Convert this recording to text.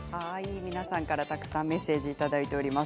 皆さんからたくさんメッセージをいただいております。